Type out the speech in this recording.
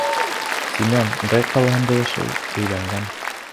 Семен Гай ҡалаһында йәшәй, өйләнгән.